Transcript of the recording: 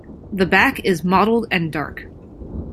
The back is mottled and dark.